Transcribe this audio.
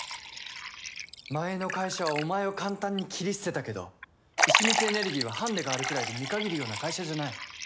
前の会社はお前を簡単に切り捨てたけど石光エネルギーはハンデがあるくらいで見限るような会社じゃない。